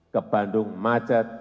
ke bandung macet